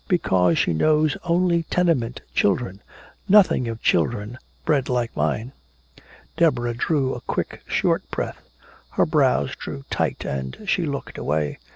"Because she knows only tenement children nothing of children bred like mine!" Deborah drew a quick short breath, her brows drew tight and she looked away.